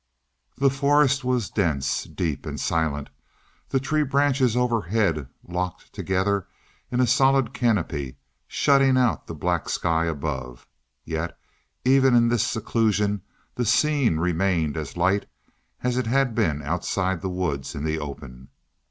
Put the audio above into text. The forest was dense, deep, and silent; the tree branches overhead locked together in a solid canopy, shutting out the black sky above. Yet even in this seclusion the scene remained as light as it had been outside the woods in the open.